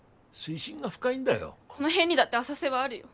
この辺にだって浅瀬はあるよ。